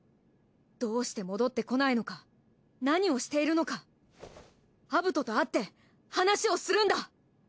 どうして戻ってこないのか何をしているのかアブトと会って話をするんだ。